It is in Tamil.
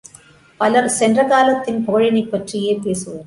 பலர் சென்ற காலத்தின் புகழினைப் பற்றியே பேசுவர்.